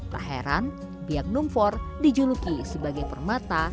tak heran biak numfor dijuluki sebagai permata